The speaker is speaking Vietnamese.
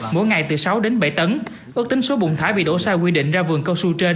mỗi ngày từ sáu đến bảy tấn ước tính số bụng thái bị đổ sai quy định ra vườn cao su trên